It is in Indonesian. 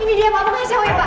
ini dia pak pengacau ya pak